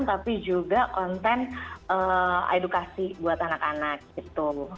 tapi juga konten edukasi buat anak anak gitu